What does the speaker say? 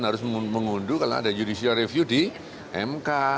harus mengunduh karena ada judicial review di mk